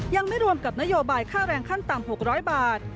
ยังไม่รวมกับนโยบายค่าแรงขั้นต่ำ๖๐๐บาท